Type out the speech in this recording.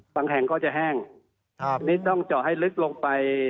แห่งก็จะแห้งนี่ต้องเจาะให้ลึกลงไป